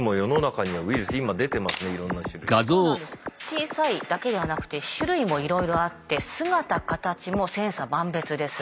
小さいだけではなくて種類もいろいろあって姿形も千差万別です。